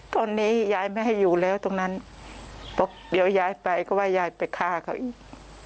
ตอนนี้ยายไม่ให้อยู่แล้วตรงนั้นเพราะเดี๋ยวยายไปก็ว่ายายไปฆ่าเขาอีก